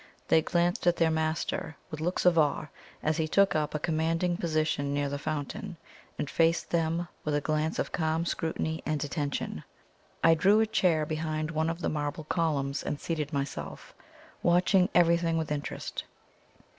They glanced at their master with looks of awe, as he took up a commanding position near the fountain, and faced them with a glance of calm scrutiny and attention. I drew a chair behind one of the marble columns and seated myself, watching everything with interest.